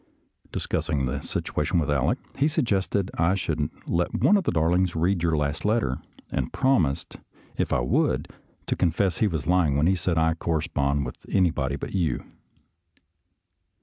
Discussing the situation with Aleck, he sug gested I should let one of the darlings read your last letter, and promised, if I would, to confess he was lying when he said I corresponded with anybody but you.